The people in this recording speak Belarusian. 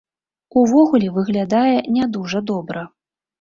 Увогуле выглядае не дужа добра.